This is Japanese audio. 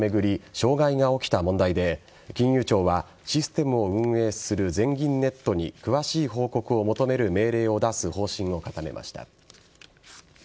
障害が起きた問題で金融庁はシステムを運営する全銀ネットに詳しい報告を求める命令を出す方針を固めました。